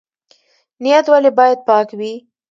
نیت ولې باید پاک وي؟